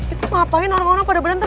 itu ngapain orang orang pada berantem